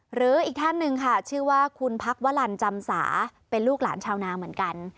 หรืออีกท่านหนึ่งค่ะชื่อว่าคุณพักวลันจำสาเป็นลูกหลานชาวนาเหมือนกัน